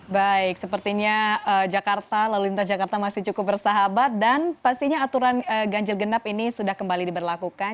baik sepertinya jakarta lalu lintas jakarta masih cukup bersahabat dan pastinya aturan ganjil genap ini sudah kembali diberlakukan